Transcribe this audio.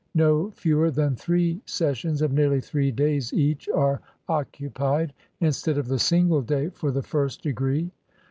No fewer than three sessions of nearly three days each are occupied, instead of the single day for the first degree.